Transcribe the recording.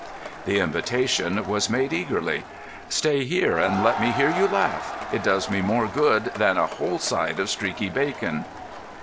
The invitation was made eagerly. "Stay here and let me hear you laugh. It does me more good than a whole side of streaky bacon."